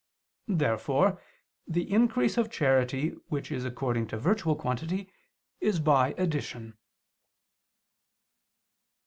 Therefore the increase of charity which is according to virtual quantity is by addition.